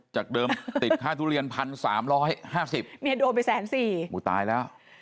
จากเดิมติดค่าทุเรียน๑๓๕๐บาทโดนไป๑๔๐บาทหมูตายแล้ว